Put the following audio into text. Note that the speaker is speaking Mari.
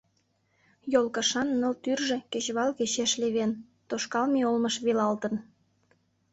Йолкышан ныл тӱржӧ кечывал кечеш левен, тошкалме олмыш велалтын.